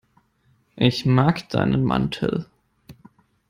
Ich mag deinen Mantel.